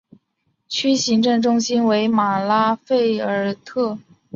区行政中心为马拉费尔特。